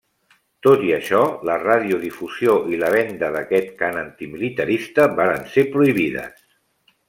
Tot i això, la radiodifusió i la venda d'aquest cant antimilitarista varen ser prohibides.